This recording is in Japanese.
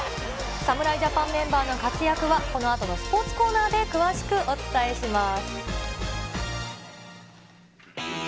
侍ジャパンメンバーの活躍はこのあとのスポーツコーナーで詳しくお伝えします。